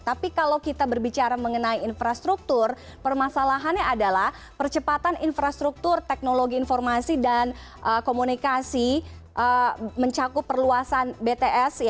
tapi kalau kita berbicara mengenai infrastruktur permasalahannya adalah percepatan infrastruktur teknologi informasi dan komunikasi mencakup perluasan bts